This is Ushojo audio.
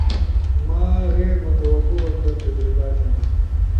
ما غیر متوقع وقت در تجربہ تھیما